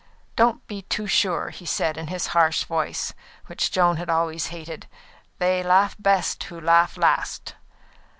"Don't be too sure," he said in his harsh voice, which Joan had always hated. "They laugh best who laugh last."